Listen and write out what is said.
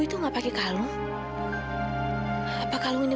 kamu jaga baik baik kalung itu